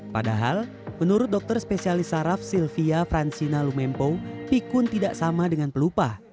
padahal menurut dokter spesialis saraf sylvia francina lumempo pikun tidak sama dengan pelupa